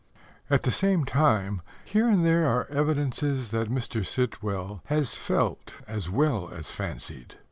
At the same time, here and there are evidences that Mr. Sitwell has felt as well as fancied.